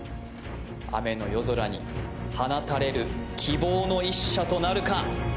雨の夜空に放たれる希望の１射となるか！？